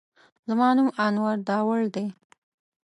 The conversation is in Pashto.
زما نوم انور داوړ دی.